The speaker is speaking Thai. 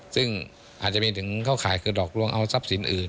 ซึ่งอาจจะมีถึงเข้าข่ายคือหลอกลวงเอาทรัพย์สินอื่น